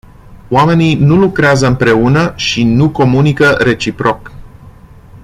Oamenii nu lucrează împreună și nu comunică reciproc.